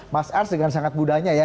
mas ars dengan sangat mudahnya ya